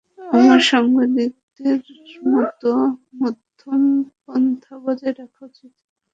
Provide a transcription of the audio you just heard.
আমার সাংবাদিকদের মতো মধ্যমপন্থা বজায় রাখা উচিত।